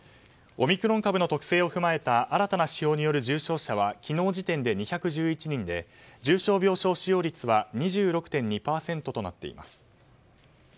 オミクロン株の特性を踏まえた新たな指標による重症者は昨日時点で２１１人で重症病床使用率は２６．２％となっています。